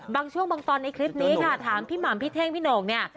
บางช่วงบางตอนในคลิปนี้ค่ะถามพี่หม่ำพี่เท่งพี่โหน่งเนี่ย